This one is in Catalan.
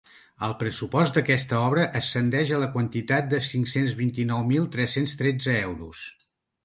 El pressupost d’aquesta obra ascendeix a la quantitat de cinc-cents vint-i-nou mil tres-cents tretze euros.